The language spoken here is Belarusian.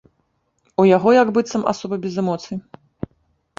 У яго як быццам асоба без эмоцый.